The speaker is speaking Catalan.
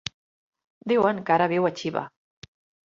Diuen que ara viu a Xiva.